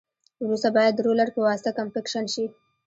وروسته باید د رولر په واسطه کمپکشن شي